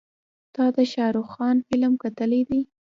تا د شارخ خان فلم کتلی دی.